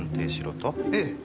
ええ。